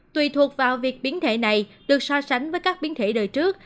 tùy thuộc vào việc biến thể này được so sánh với các biến thể đời trước